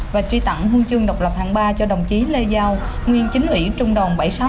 và truy tặng huân chương độc lập hạng ba cho đồng chí lê giao nguyên chính ủy trung đoàn bảy trăm sáu mươi